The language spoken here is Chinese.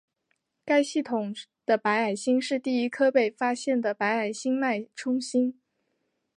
该系统的白矮星是第一颗被发现的白矮星脉冲星。